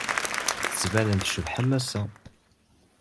Tettbanem-d tcebḥem ass-a.